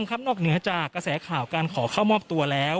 ครับนอกเหนือจากกระแสข่าวการขอเข้ามอบตัวแล้ว